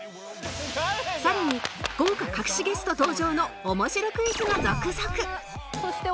さらに豪華隠しゲスト登場の面白クイズが続々